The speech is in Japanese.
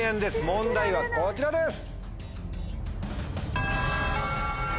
問題はこちらです！